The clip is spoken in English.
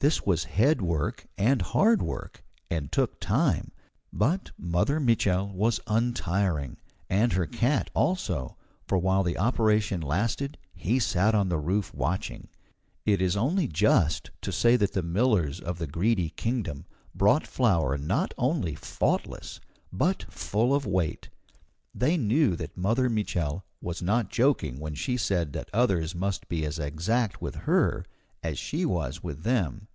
This was head work and hard work, and took time; but Mother Mitchel was untiring, and her cat, also, for while the operation lasted he sat on the roof watching. It is only just to say that the millers of the Greedy Kingdom brought flour not only faultless but of full weight. They knew that Mother Mitchel was not joking when she said that others must be as exact with her as she was with them.